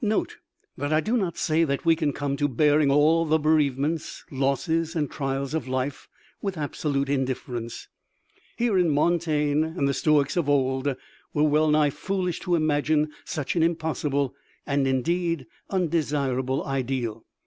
Note that I do not say that we can come to bearing all the bereavements, losses, and trials of life with absolute indifference. Herein MONTAIGNE and the Stoics of old were well nigh foolish to imagine such an impossible and indeed undesirable ideal.